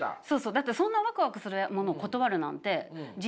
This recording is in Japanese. だってそんなワクワクするものを断るなんて人生もったいない。